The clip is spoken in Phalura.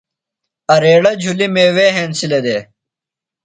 اریڑہ جُھلیۡ میوے ہنسِلہ دےۡ۔